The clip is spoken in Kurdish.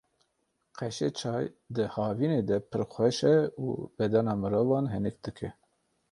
Qeşeçay di havînê de pir xweş e û bedena mirovan hênik dike.